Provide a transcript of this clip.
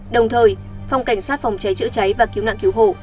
đồng thời phòng cảnh sát phòng cháy chữa cháy và cứu nạn cứu hộ